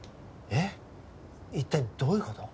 えっ一体どういう事？